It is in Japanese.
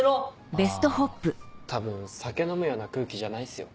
あぁ多分酒飲むような空気じゃないっすよ